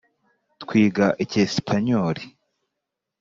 Twiga icyesipanyoli .